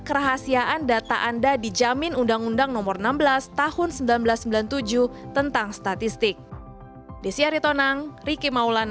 kerahasiaan data anda dijamin undang undang nomor enam belas tahun seribu sembilan ratus sembilan puluh tujuh tentang statistik